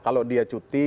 kalau dia cuti